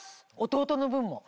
弟の分も。